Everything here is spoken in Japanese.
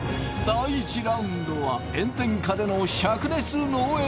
第１ラウンドは炎天下での灼熱農園